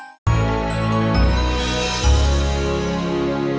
tidak ada yang bisa kita lakukan